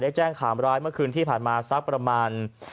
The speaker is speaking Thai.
แจ้งขามร้ายเมื่อคืนที่ผ่านมาสักประมาณ